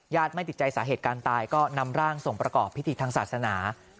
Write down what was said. ไม่ติดใจสาเหตุการณ์ตายก็นำร่างส่งประกอบพิธีทางศาสนา